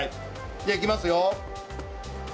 じゃあいきますよ。